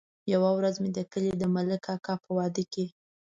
يوه ورځ مې د کلي د ملک کاکا په واده کې.